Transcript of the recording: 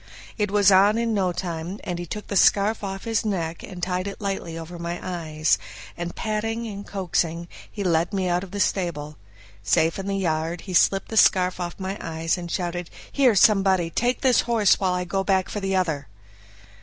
It was on in no time; then he took the scarf off his neck, and tied it lightly over my eyes, and patting and coaxing he led me out of the stable. Safe in the yard, he slipped the scarf off my eyes, and shouted, "Here somebody! take this horse while I go back for the other."